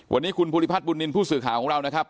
วันนี้คุณภูริพัฒนบุญนินทร์ผู้สื่อข่าวของเรานะครับ